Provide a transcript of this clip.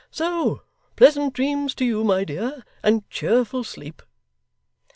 So pleasant dreams to you, my dear, and cheerful sleep!